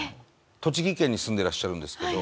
栃木県に住んでらっしゃるんですけど。